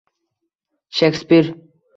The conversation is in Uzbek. Shekspir